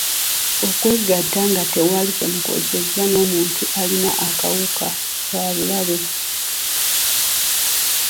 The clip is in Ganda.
Okwegatta nga tewali kye mukozesezza n’omuntu alina akawuka ako kya bulabe.